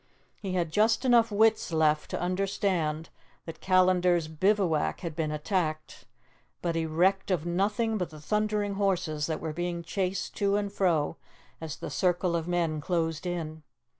He had just enough wits left to understand that Callandar's bivouac had been attacked, but he recked of nothing but the thundering horses that were being chased to and fro as the circle of men closed in.